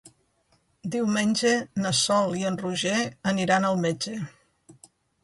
Diumenge na Sol i en Roger aniran al metge.